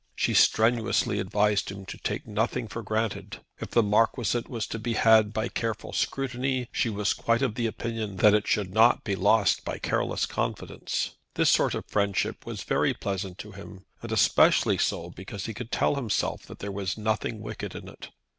She strenuously advised him to take nothing for granted. If the Marquisate was to be had by careful scrutiny she was quite of opinion that it should not be lost by careless confidence. This sort of friendship was very pleasant to him, and especially so, because he could tell himself that there was nothing wicked in it.